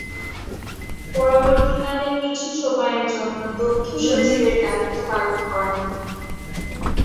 পরবর্তীকালে কিছু সময়ের জন্য তথ্য সচিবের দায়িত্ব পালন করেন।